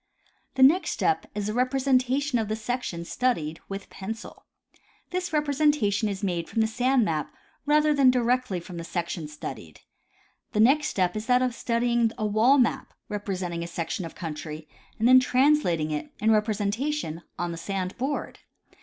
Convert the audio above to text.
The next step is the representation of the section studied with pencil. This representation is made from the sand map rather than directly from the section studied. The next step is that of studying a wall map representing a section of country, and then translating it, in representation, on the sand board.